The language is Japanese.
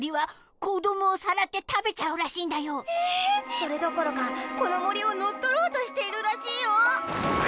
それどころかこのもりをのっとろうとしているらしいよ。